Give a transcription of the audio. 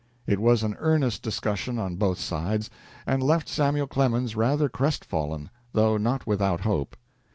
It was an earnest discussion on both sides, and left Samuel Clemens rather crestfallen, though not without hope.